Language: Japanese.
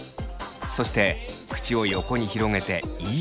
そして口を横に広げて「い」。